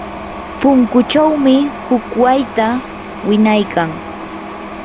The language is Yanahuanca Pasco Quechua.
punkuchawmi huk wayta winaykan.